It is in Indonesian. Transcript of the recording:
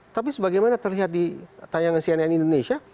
tapi sebagaimana terlihat di tayangan cnn indonesia